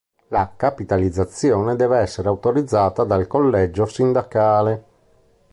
La capitalizzazione deve essere autorizzata dal collegio sindacale.